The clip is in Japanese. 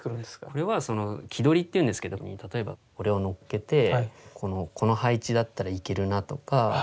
これは木取りっていうんですけど例えばこれをのっけてこの配置だったらいけるなとか